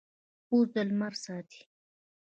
پوست د لمر ساتي.